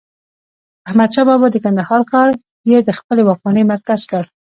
احمدشاه بابا د کندهار ښار يي د خپلې واکمنۍ مرکز کړ.